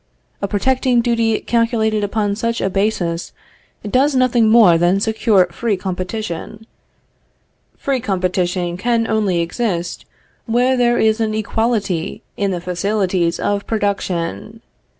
A protecting duty calculated upon such a basis does nothing more than secure free competition; ... free competition can only exist where there is an equality in the facilities of production.